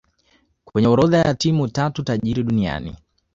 kwenye orodha ya timu tatu tajiri duniani